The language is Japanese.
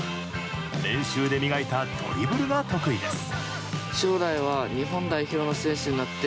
練習で磨いたドリブルが得意です。